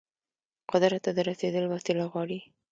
قدرت ته د رسیدل وسيله غواړي.